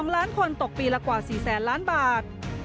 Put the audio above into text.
๑๒ล้านคนตกปีละกว่า๔๐๐๐๐๐บาท